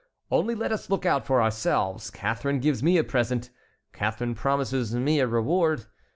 Only let us look out for ourselves. Catharine gives me a present, Catharine promises me a reward.